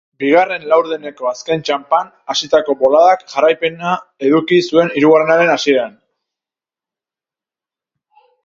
Bigarren laurdeneko azken txanpan hasitako boladak jarraipena eduki zuen hirugarrenaren hasieran.